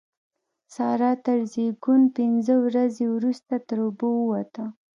سارا تر زېږون پينځه ورځې روسته تر اوبو ووته.